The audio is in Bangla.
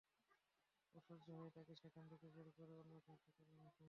অসহ্য হয়ে তাকে সেখান থেকে বের করে অন্য একটি হাসপাতালে এনেছি।